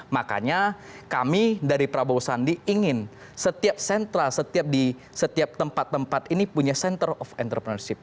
makanya kami dari prabowo sandi ingin setiap sentra setiap di setiap tempat tempat ini punya center of entrepreneurship